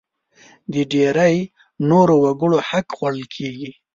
د ډېری نورو وګړو حق خوړل کېږي.